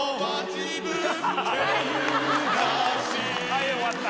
はい終わった